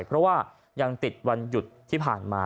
เพราะว่ายังติดวันหยุดที่ผ่านมา